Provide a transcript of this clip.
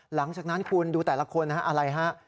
หลังจากนั้นคุณดูแต่ละคนนะฮะอะไรฮะ